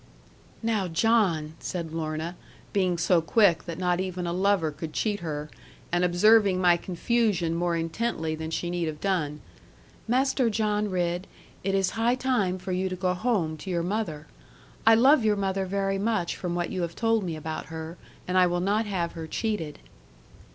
'Now, John,' said Lorna, being so quick that not even a lover could cheat her, and observing my confusion more intently than she need have done. 'Master John Ridd, it is high time for you to go home to your mother. I love your mother very much from what you have told me about her, and I will not have her cheated.'